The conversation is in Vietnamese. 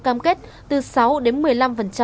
cam kết từ sáu đến một mươi năm